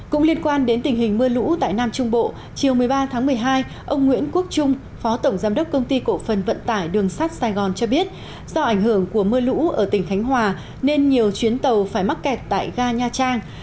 cũng liên quan đến tình hình mưa lũ tại nam trung bộ chiều một mươi ba tháng một mươi hai ông nguyễn quốc trung phó tổng giám đốc công ty cổ phần vận tải đường sắt sài gòn cho biết do ảnh hưởng của mưa lũ ở tỉnh khánh hòa nên nhiều chuyến tàu phải mắc kẹt tại ga nha trang